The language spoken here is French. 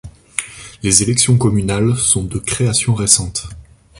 Les élections communales sont de création récente.